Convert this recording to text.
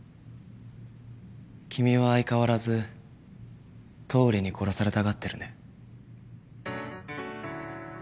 君は相変わらず倒理に殺されたがってるね。